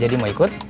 jadi mau ikut